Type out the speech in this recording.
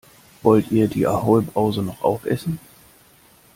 Wollt ihr die Ahoi-Brause noch aufessen?